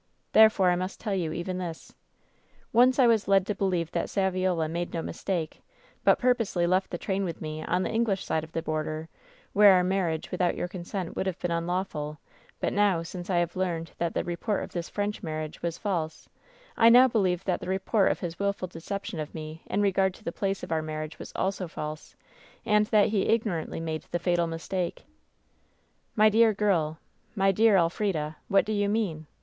Therefore, I must tell you even this. Once I was led to believe that Sa viola made no mistake, but purposely left the train with me, on the English side of the border, where our marriage without your consent would have been unlawful; but now since I have learned that the WHEN SHADOWS DIE 211 report of this French marriage was false, I now believe that the report of his wilful deception of me in regard to the place of our marriage was also false, and that he ignorantly made the fatal mistake/ " ^My dear girl ! My dear Elf rida ! What do you mean